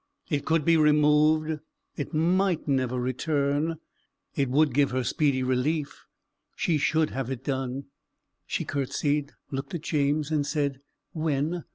It could be removed it might never return it would give her speedy relief she should have it done. She curtsied, looked at James, and said, "When?"